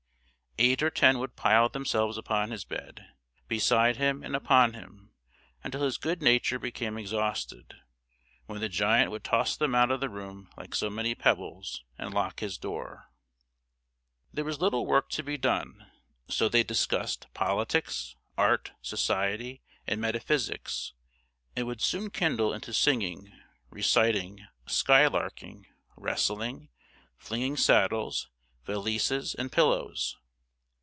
Eight or ten would pile themselves upon his bed, beside him and upon him, until his good nature became exhausted, when the giant would toss them out of the room like so many pebbles, and lock his door. There was little work to be done; so they discussed politics, art, society, and metaphysics; and would soon kindle into singing, reciting, "sky larking," wrestling, flinging saddles, valises, and pillows.